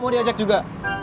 mau diajak juga